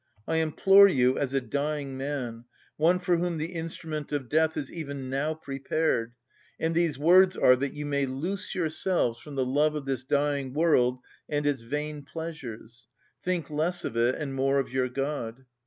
I implore you as a dying man—one for whom the instrument of death is even now prepared—and these words are that you may loose yourselves from the love of this dying world and its vain pleasures. Think less of it and more of your God.